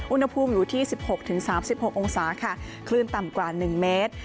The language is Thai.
อุณหภูมิอยู่ที่๑๖๓๖องศาค่ะคลื่นต่ำกว่า๑เมตร